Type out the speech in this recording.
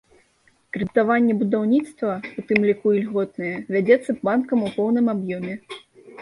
Крэдытаванне будаўніцтва, у тым ліку і льготнае, вядзецца банкам у поўным аб'ёме.